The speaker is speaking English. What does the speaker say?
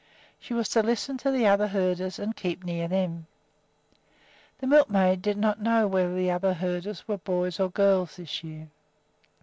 She was to listen to the other herders and keep near them. The milkmaid did not know whether the other herders were boys or girls this year.